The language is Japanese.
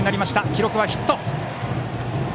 記録はヒット。